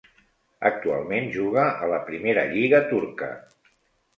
Actualment juga a la primera lliga turca.